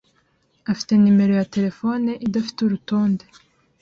afite numero ya terefone idafite urutonde.